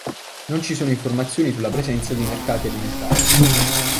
Non ci sono informazioni sulla presenza di mercati alimentari.